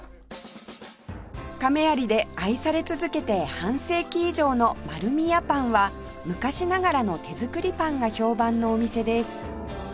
亀有で愛され続けて半世紀以上のマルミヤパンは昔ながらの手作りパンが評判のお店です